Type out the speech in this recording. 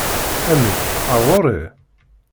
Amek, ar ɣuri?